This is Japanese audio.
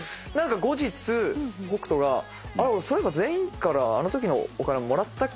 後日北斗が「俺そういえば全員からあのときのお金もらったっけな？」